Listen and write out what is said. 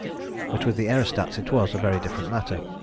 But with the aerostats it was a very different matter.